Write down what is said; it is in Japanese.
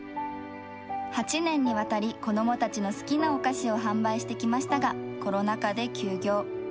８年にわたり、子どもたちの好きなお菓子を販売してきましたが、コロナ禍で休業。